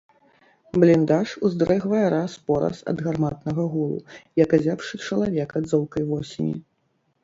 Бліндаж уздрыгвае раз-пораз ад гарматнага гулу, як азябшы чалавек ад золкай восені.